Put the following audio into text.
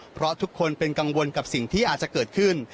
เพราะทุกคนเป็นกังวลกับสิ่งที่อาจจะเกิดขึ้น